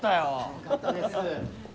よかったです。